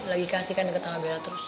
lagi kasih kan deket sama bella terus